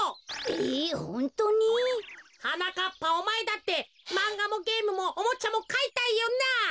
えホントに？はなかっぱおまえだってまんがもゲームもおもちゃもかいたいよな？